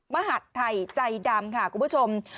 มหาดไทยใจดำค่ะคุณผู้ชม